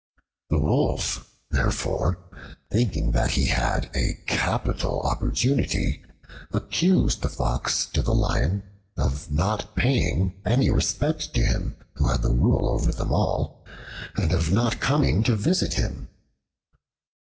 The Wolf therefore, thinking that he had a capital opportunity, accused the Fox to the Lion of not paying any respect to him who had the rule over them all and of not coming to visit him.